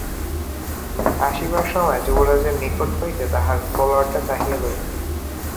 আসিবার সময় যুবরাজের নিকট হইতে তাঁহার তলােয়ারটি চাহিয়া লইল।